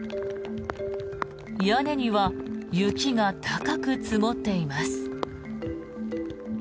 屋根には雪が高く積もっています。